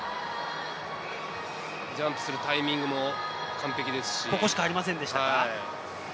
ジャンプするタイミングも完璧ですし。